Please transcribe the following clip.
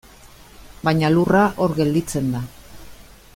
Baina lurra, hor gelditzen da.